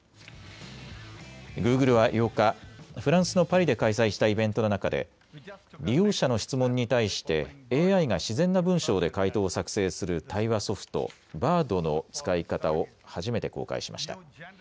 グーグルは８日、フランスのパリで開催したイベントの中で利用者の質問に対してＡＩが自然な文章で回答を作成する対話ソフト、Ｂａｒｄの使い方を初めて公開しました。